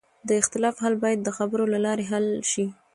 د اختلاف حل باید د خبرو له لارې وشي